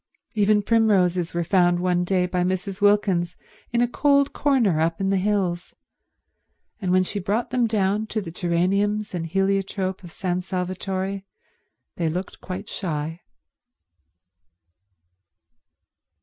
Even primroses were found one day by Mrs. Wilkins in a cold corner up in the hills; and when she brought them down to the geraniums and heliotrope of San Salvatore they looked quite shy.